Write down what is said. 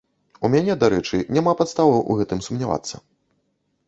У мяне, дарэчы, няма падставаў у гэтым сумнявацца.